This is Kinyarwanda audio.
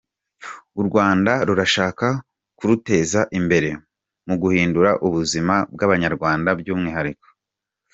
U Rwanda rurashaka kuruteza imbere mu guhindura ubuzima bw’abanyarwanda by’umwihariko.